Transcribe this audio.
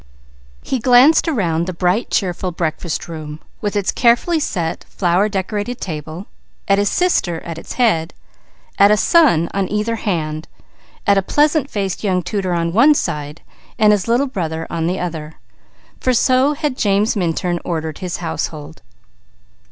He glanced around the bright, cheerful breakfast room, with its carefully set, flower decorated table, at his sister at its head, at a son on either hand, at a pleasant faced young tutor on one side, and his Little Brother on the other; for so had James Minturn ordered his household.